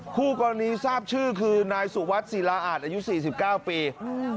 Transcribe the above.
คู่กรณีทราบชื่อคือนายสุวัสดิ์ศิลาอาจอายุ๔๙ปี